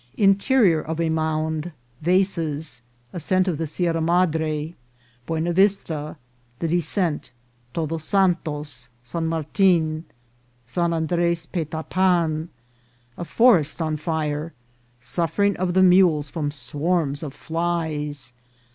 — Interior of a Mound. — Vases.— Ascent of the Sierra Madre. — Buena Vista. — The Descent.— Todos Santos.— San Martin.— San Andres Petapan.— A Forest on Fire.— Suffering of the Mules from Swarms of Flies.